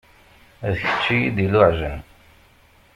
D kečč i yi-d-iluɛjen.